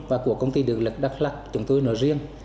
và của công ty điện lực đắk lắc chúng tôi nói riêng